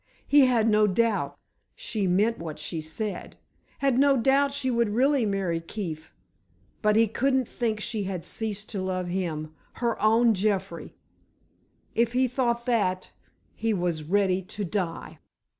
He had no doubt she meant what she said; had no doubt she would really marry Keefe—but he couldn't think she had ceased to love him—her own Jeffrey! If he thought that, he was ready to die!